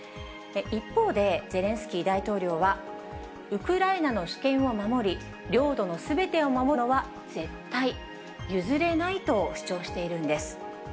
一方で、ゼレンスキー大統領は、ウクライナの主権を守り、領土のすべてを守るのは絶対譲れないと主張しているんです。